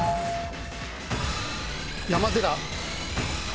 山寺。